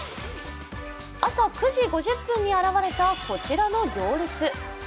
朝９時５０分に現れたこちらの行列。